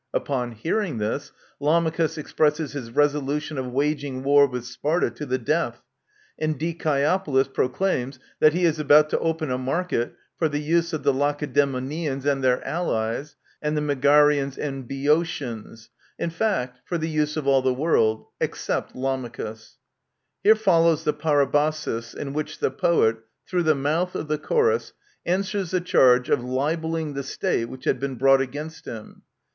Upon hearing this, Lamachus expresses his resolution of waging war with Sparta to the death, and DicKOpolis proclaims that he is about to open a market for the use of the Lacedemonians and their allies, and the Me garians and Boeotians ; in fact, for the use of all the world — except I^amachus. Here follows the Parabasis, in which the poet, through the mouth of the Chorus, answers the charge of libelling the State which had been brought against him.